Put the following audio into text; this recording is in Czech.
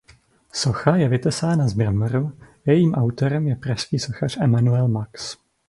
Socha je vytesána z mramoru a jejím autorem je pražský sochař Emanuel Max.